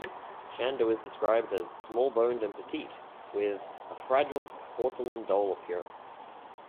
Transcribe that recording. Shando is described as "Small-boned and petite," with "a fragile porcelain-doll appearance.